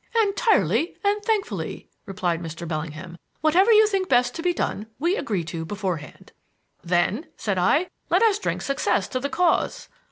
"Entirely and thankfully," replied Mr. Bellingham. "Whatever you think best to be done we agree to beforehand." "Then," said I, "let us drink success to the cause.